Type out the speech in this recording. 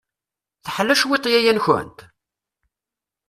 Teḥla cwiṭ yaya-tkent?